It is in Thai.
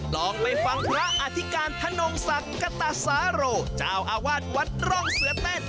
ลองไปฟังพระอธิการธนงศักดิ์กตสาโรเจ้าอาวาสวัดร่องเสือเต้น